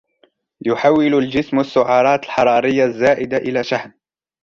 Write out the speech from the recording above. يحول الجسم السعرات الحرارية الزائدة إلى شحم.